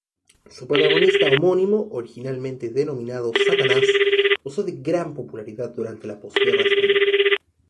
Su protagonista homónimo, originalmente denominado Satanás, gozó de gran popularidad durante la posguerra española.